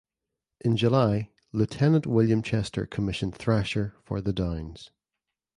In July Lieutenant William Chester commissioned "Thrasher" for the Downs.